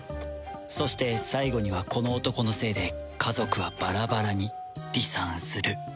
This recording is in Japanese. そして最後にはこの男のせいで家族はバラバラに離散する